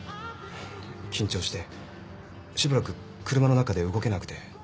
しばらく車の中で動けなくて。